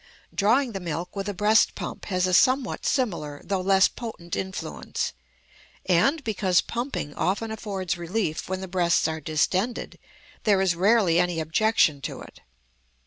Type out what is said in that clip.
Drawing the milk with a breast pump has a somewhat similar though less potent influence, and, because pumping often affords relief when the breasts are distended, there is rarely any objection to it.